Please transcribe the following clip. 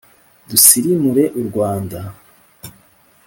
Dusirimure u Rwanda.